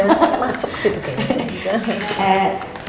masuk sih itu kayaknya